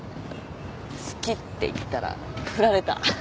好きって言ったら振られた。